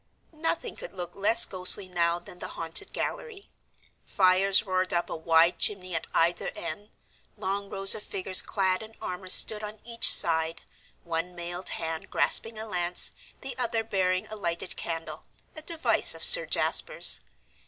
Nothing could look less ghostly now than the haunted gallery. Fires roared up a wide chimney at either end, long rows of figures clad in armor stood on each side, one mailed hand grasping a lance, the other bearing a lighted candle, a device of Sir Jasper's.